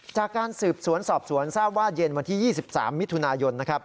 จากการสืบสวนสอบสวนทราบว่าเย็นวันที่๒๓มิถุนายนนะครับ